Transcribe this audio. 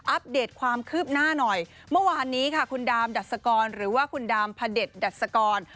เดตความคืบหน้าหน่อยเมื่อวานนี้ค่ะคุณดามดัสกรหรือว่าคุณดามพระเด็จดัชกร